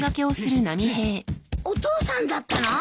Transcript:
お父さんだったの！？